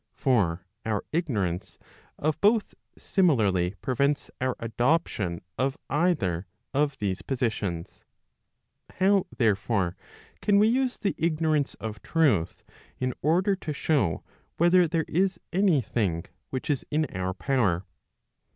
For our ignorance of both similarly prevents our adoption of either of these positions. IIow there ' fore, can we use the ignorance of truth in order to show whether there is any thing which is in our power